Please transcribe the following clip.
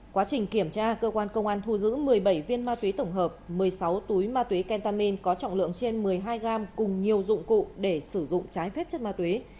quá trình kiểm tra cơ quan công an thu giữ một mươi bảy viên ma túy tổng hợp một mươi sáu túi ma túy kentamin có trọng lượng trên một mươi hai gram cùng nhiều dụng cụ để sử dụng trái phép chất ma túy